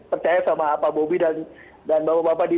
percaya sama pak bobi dan bapak bapak di